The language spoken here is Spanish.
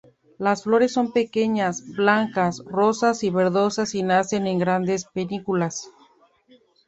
Las flores son pequeñas, blancas, rosas o verdosas y nacen en grandes panículas.